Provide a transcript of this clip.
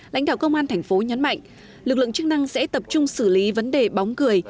lãnh đạo công an thành phố nhấn mạnh lực lượng chức năng sẽ tập trung xử lý vấn đề bóng cười